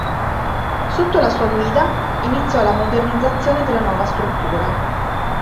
Sotto la sua guida iniziò la modernizzazione della nuova struttura.